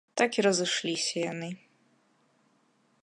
Так і разышліся яны.